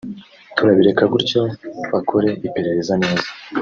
turabireka gutyo bakore iperereza neza